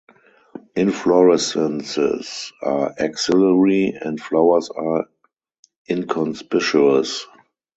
Inflorescences are axillary and flowers are inconspicuous.